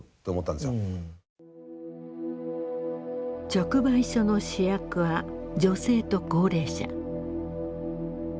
直売所の主役は女性と高齢者。